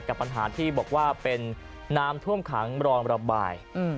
กับปัญหาที่บอกว่าเป็นน้ำท่วมขังรองระบาย